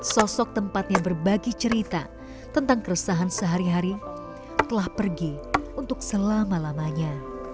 sosok tempatnya berbagi cerita tentang keresahan sehari hari telah pergi untuk selama lamanya